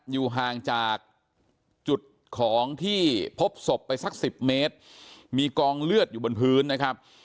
อยู่ห่างจากจุดของที่พบศพไปสักสิบเมตรมีกองเลือดอยู่บนพื้นนะครับ